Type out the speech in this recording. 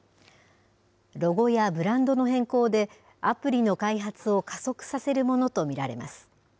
ロゴやブランドの変更で、アプリの開発を加速させるものと見られます。